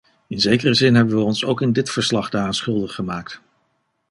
In zekere zin hebben we ons ook in dit verslag daaraan schuldig gemaakt.